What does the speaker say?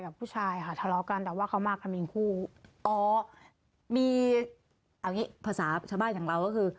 เอาอย่างงี้ภาษาชาวบ้านของเราก็คือ